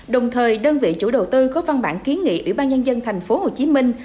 đồng thời đơn vị chủ đầu tư có văn bản kiến nghị ủy ban nhân dân thành phố hồ chí minh